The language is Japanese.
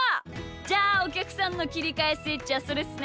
じゃあおきゃくさんのきりかえスイッチはそれっすね。